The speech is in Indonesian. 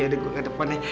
yaudah gue ke depannya